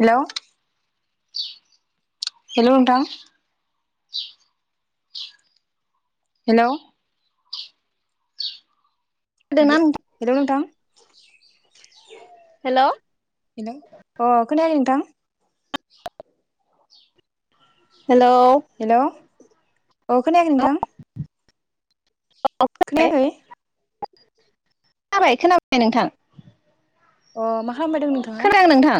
Hello. Hello नोंथां। Hello. हेल खोनादोंना नोंथां? हेलौ नोंथां? हेलौ हेलौ अ खोनायाखै नोंथां हेलौ। औ खोनायाखै नोंथां? [inaudible] खोनायाखै? खोनाबाय खोनाबाय नोंथां? अ मा खालामबाय दं नोंथाङा? खोनादों नोंथां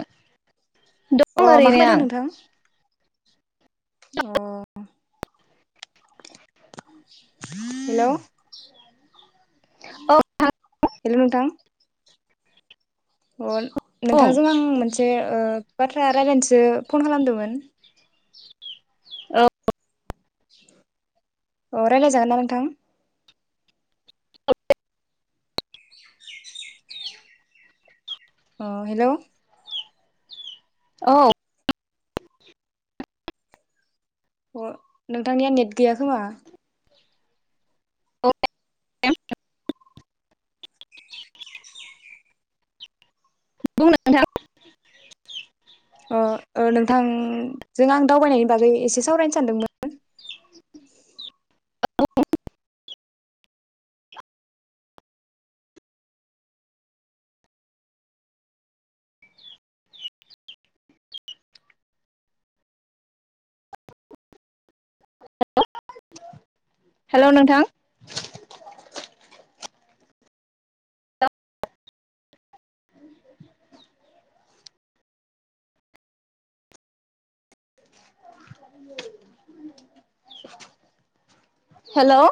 दं अ मा ओरैनो खामबाय दं आं नोंथां? अ। हेलौ औ [unintelligible] नोंथां। हेलौ नोंथां। अ। बुं नोंथांजों आं मोनसे ओ बाथ्रा रायलायनोसो फन खालामदोंमोन। औ अ रायलाय जागोन ना नोंथां? अ हेलौ। औ। अ नोंथांनिया नेट गैया खोमा औ [unintelligible] बुं [unintelligible] नोंथां। उम जों आं दावबायनायनि बागै एसे सावरायनो सानदोंमोन [unintelligible] हेल नोंथां हेल